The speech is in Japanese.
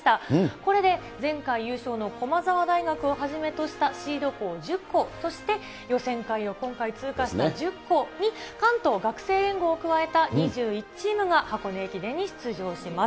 これで前回優勝の駒澤大学をはじめとしたシード校１０校、そして予選会を今回通過した１０校に、関東学生連合を加えた２１チームが、箱根駅伝に出場します。